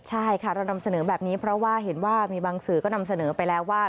ใช่ค่ะเรานำเสนอแบบนี้เพราะว่าเห็นว่ามีบางสื่อก็นำเสนอไปแล้วว่า